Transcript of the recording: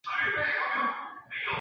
接下来近几年